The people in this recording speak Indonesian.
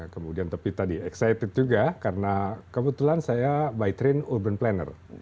kemudian tapi tadi excited juga karena kebetulan saya by train urban planner